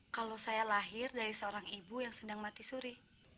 kalau saya lahir dari seorang ibu yang sedang mati suri